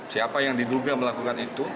siapa yang diduga melakukan itu